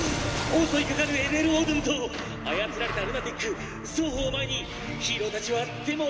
襲いかかるＬ．Ｌ．オードゥンと操られたルナティック双方を前にヒーローたちは手も足も出ません！」